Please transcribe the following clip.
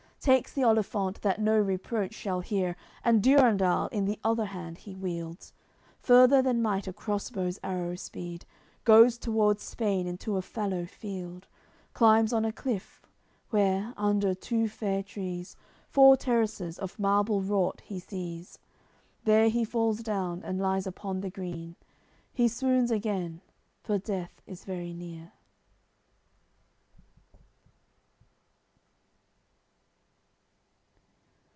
Takes the olifant, that no reproach shall hear, And Durendal in the other hand he wields; Further than might a cross bow's arrow speed Goes towards Spain into a fallow field; Climbs on a cliff; where, under two fair trees, Four terraces, of marble wrought, he sees. There he falls down, and lies upon the green; He swoons again, for death is very near.